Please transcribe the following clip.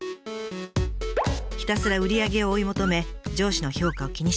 ひたすら売り上げを追い求め上司の評価を気にしてばかり。